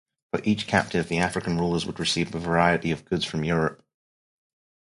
For each captive, the African rulers would receive a variety of goods from Europe.